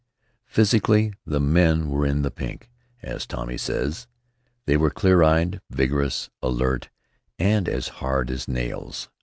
Physically, the men were "in the pink," as Tommy says. They were clear eyed, vigorous, alert, and as hard as nails.